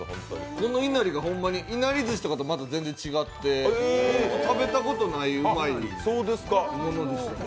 このいなりがほんまにいなりずしとかとは違って食べたことない、うまいんですよね。